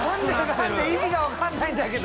意味が分からないんだけど。